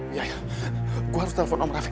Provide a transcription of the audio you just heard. iya ya gue harus telfon om rafiq